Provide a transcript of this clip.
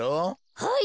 はい！